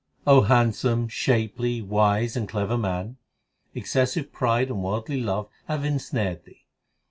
handsome, shapely, wise, and clever man, Excessive pride and worldly love have ensnared thee.